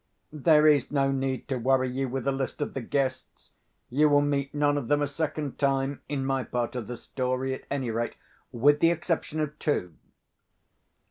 There is no need to worry you with a list of the guests. You will meet none of them a second time—in my part of the story, at any rate—with the exception of two.